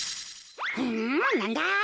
んなんだ？